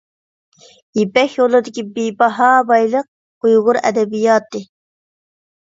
يىپەك يولىدىكى بىباھا بايلىق — ئۇيغۇر ئەدەبىياتى.